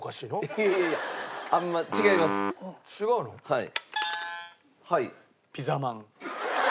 はい。